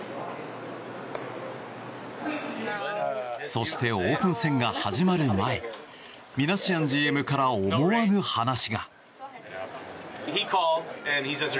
そして、オープン戦が始まる前ミナシアンＧＭから思わぬ話が。